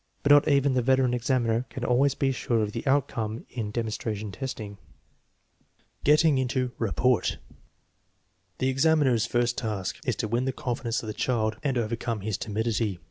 But not even the veteran examiner can always be sure of the outcome in demonstration testing. 124 THE MEASUREMENT OF INTELLIGENCE Getting into "rapport." The examiner's first task is to win the confidence of the child and overcome his timidity.